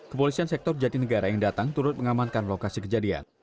kepolisian sektor jatinegara yang datang turut mengamankan lokasi kejadian